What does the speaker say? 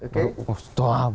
baru mukul stop